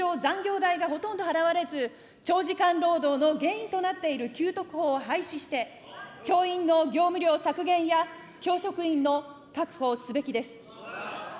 ついては、事実上、残業代がほとんど払われず、長時間労働の原因となっている給特法を廃止して、教員の業務量削減や教職員の確保をすべきです。